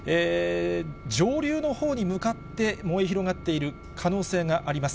上流のほうに向かって燃え広がっている可能性があります。